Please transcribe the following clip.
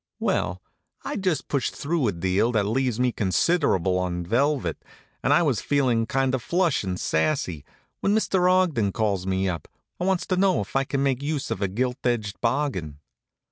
Well, I'd just pushed through a deal that leaves me considerable on velvet, and I was feelin' kind of flush and sassy, when Mr. Ogden calls me up, and wants to know if I can make use of a gilt edged bargain.